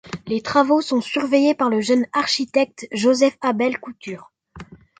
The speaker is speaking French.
Les travaux sont surveillés par le jeune architecte Joseph-Abel Couture.